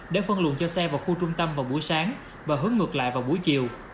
để phân luồng cho xe vào khu trung tâm vào buổi sáng và hướng ngược lại vào buổi chiều